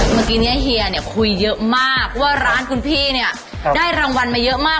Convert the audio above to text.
เมื่อกี้เนี่ยเฮียเนี่ยคุยเยอะมากว่าร้านคุณพี่เนี่ยได้รางวัลมาเยอะมาก